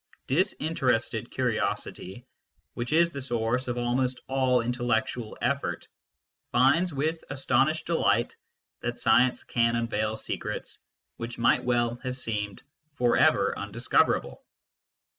Disinterested curiosity, which is the source of almost all intellectual effort, finds with aston ished delight that science can unveil secrets which might well have seemed for ever undiscoverable.